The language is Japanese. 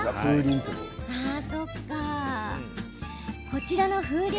こちらの風鈴